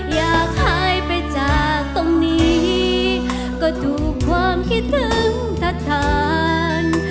อยากหายไปจากตรงนี้ก็ถูกความคิดถึงทัศน